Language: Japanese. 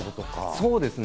そうですね。